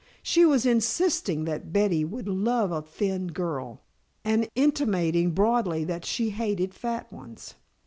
She was insisting that Betty would love a thin girl and intimating broadly that she hated fat ones.